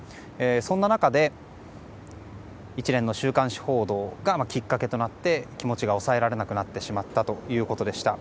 そんな中で一連の週刊誌報道がきっかけとなって気持ちが抑えられなくなってしまったということでした。